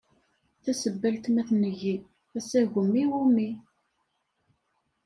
Tasebbalt ma tneggi, asagem iwumi?